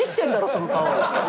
その顔！